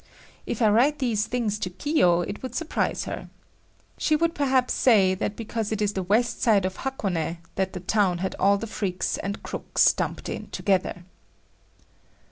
If I write these things to Kiyo, it would surprise her. She would perhaps say that because it is the west side of Hakone that the town had all the freaks and crooks dumped in together.